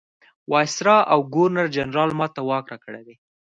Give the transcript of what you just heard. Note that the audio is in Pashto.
وایسرا او ګورنرجنرال ما ته واک راکړی دی.